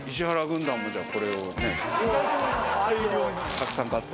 たくさん買って。